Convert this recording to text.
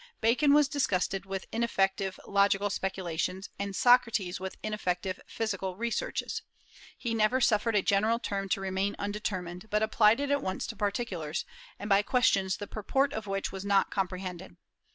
Bacon was disgusted with ineffective logical speculations, and Socrates with ineffective physical researches. He never suffered a general term to remain undetermined, but applied it at once to particulars, and by questions the purport of which was not comprehended.